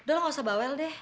udah lo nggak usah bawel deh